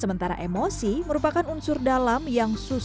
sementara emosi merupakan unsur dalam yang susah